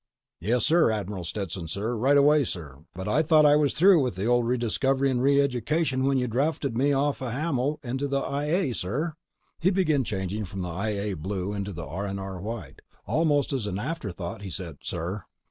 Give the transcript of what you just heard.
"Yes, sir, Admiral Stetson, sir. Right away, sir. But I thought I was through with old Rediscovery & Reeducation when you drafted me off of Hamal into the I A ... sir." He began changing from the I A blue to the R&R white. Almost as an afterthought, he said: "... Sir."